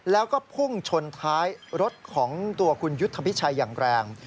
แล้วก็พุ่งชนท้ายรถของตัวคุณยุทธพิชัยอย่างแรง